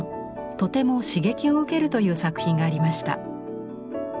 とても刺激を受けるという作品がありました。